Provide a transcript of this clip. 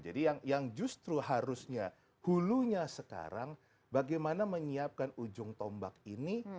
jadi yang justru harusnya hulunya sekarang bagaimana menyiapkan ujung tombak ini